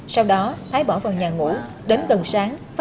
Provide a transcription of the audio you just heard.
sau đó thái bỏ vào nhà ngủ đến gần sáng